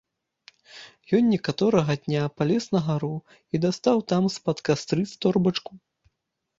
Ён некаторага дня палез на гару і дастаў там з-пад кастрыц торбачку.